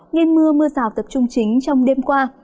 nên mưa mưa rào tập trung chính trong đêm qua